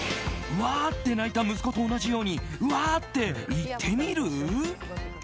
うわーって泣いた息子と同じようにうわーって言ってみる？